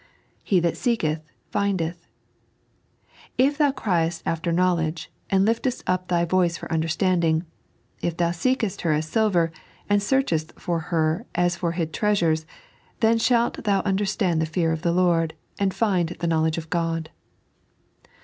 " He that seeketh, findeth." " If thou erieet after know ledge, and hftest ap thy voice for understanding ; If thou seekest her as ailTer, and searchest for her as for bid treasureH, then shalt thou understand the fear of the Lord, and find the knowledge of Ood."